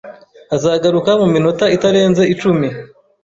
Azagaruka mu minota itarenze icumi.